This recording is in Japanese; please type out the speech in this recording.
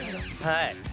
はい。